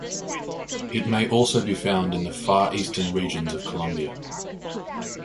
It may also be found in the far eastern regions of Colombia.